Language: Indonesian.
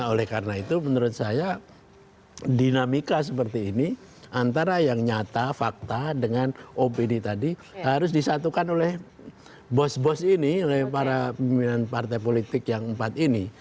oleh karena itu menurut saya dinamika seperti ini antara yang nyata fakta dengan opd tadi harus disatukan oleh bos bos ini oleh para pimpinan partai politik yang empat ini